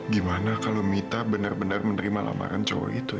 gimana kalau mita benar benar menerima laporan cowok itu